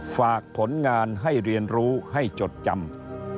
ฝากผลงานให้เรียนรู้ให้จดจำ